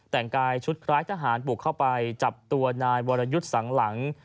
แต่งกายชุดคล้ายทหารบุกเข้าไปจับตัวนายวรยุทธ์สังหลัง